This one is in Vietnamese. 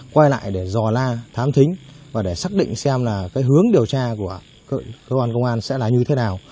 quay lại để dò la thám thính và để xác định xem là cái hướng điều tra của cơ quan công an sẽ là như thế nào